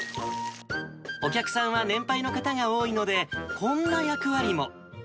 お客さんは年配の方が多いので、こんな役割も。